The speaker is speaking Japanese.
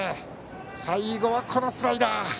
最後はスライダー。